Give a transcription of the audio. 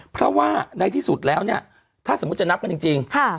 เพราะว่าในที่สุดแล้วเนี่ยถ้าสมมุติจะนับกันจริง